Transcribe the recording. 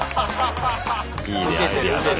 いいねアイデアだね。